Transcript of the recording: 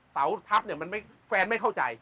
เผ้าทัพแฟนไม่เข้าใจ